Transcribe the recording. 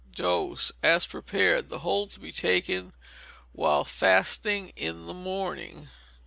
Dose, as prepared, the whole to be taken while fasting in the morning.